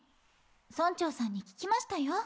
村長さんに聞きましたよ。